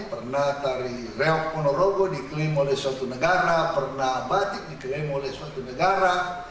pernah tari reok ponorogo diklaim oleh suatu negara pernah batik diklaim oleh suatu negara